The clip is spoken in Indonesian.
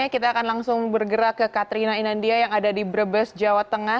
kita akan langsung bergerak ke katrina inandia yang ada di brebes jawa tengah